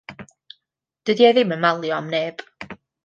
Dydi e ddim yn malio am neb.